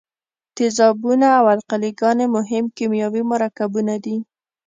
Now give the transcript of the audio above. تیزابونه او القلي ګانې مهم کیمیاوي مرکبونه دي.